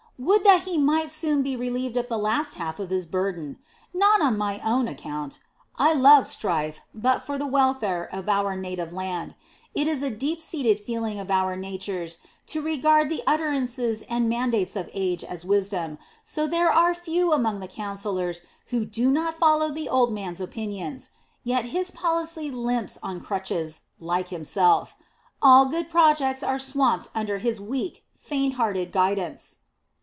"Would that he might soon be relieved of the last half of his burden. Not on my own account. I love strife, but for the welfare of our native land. It is a deep seated feeling of our natures to regard the utterances and mandates of age as wisdom, so there are few among the councillors who do not follow the old man's opinions; yet his policy limps on crutches, like himself. All good projects are swamped under his weak, fainthearted guidance."